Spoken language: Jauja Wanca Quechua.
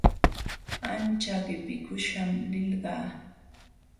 Ancha qipikuśham lilqaa.